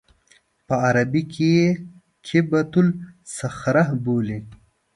په عربي کې یې قبة الصخره بولي.